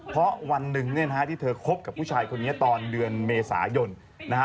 เพราะวันหนึ่งเนี่ยนะฮะที่เธอคบกับผู้ชายคนนี้ตอนเดือนเมษายนนะฮะ